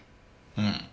うん。